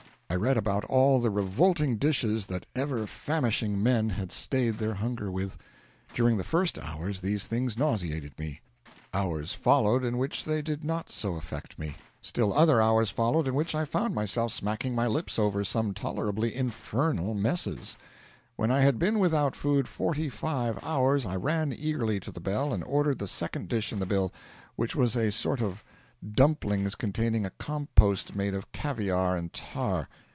I read about all the revolting dishes that ever famishing men had stayed their hunger with. During the first hours these things nauseated me: hours followed in which they did not so affect me; still other hours followed in which I found myself smacking my lips over some tolerably infernal messes. When I had been without food forty five hours I ran eagerly to the bell and ordered the second dish in the bill, which was a sort of dumplings containing a compost made of caviar and tar.